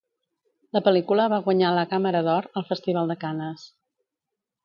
La pel·lícula va guanyar la Càmera d'Or al Festival de Canes.